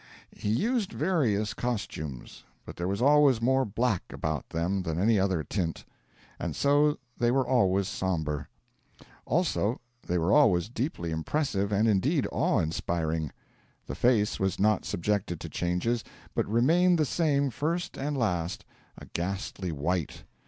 He used various costumes: but there was always more black about them than any other tint; and so they were always sombre. Also they were always deeply impressive and, indeed, awe inspiring. The face was not subjected to changes, but remained the same first and last a ghastly white.